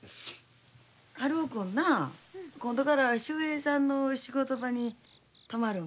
春男君な今度から秀平さんの仕事場に泊まるんか？